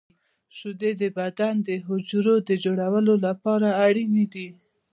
• شیدې د بدن د حجرو د جوړولو لپاره اړینې دي.